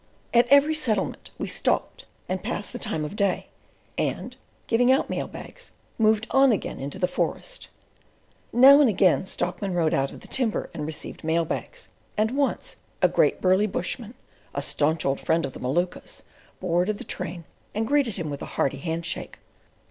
At every settlement we stopped and passed the time of day and, giving out mail bags, moved on again into the forest. Now and again, stockmen rode out of the timber and received mail bags, and once a great burly bushman, a staunch old friend of the Maluka's, boarded the train, and greeted him with a hearty hand shake.